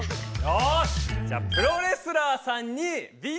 よし！